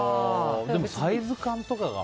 でもサイズ感とかが。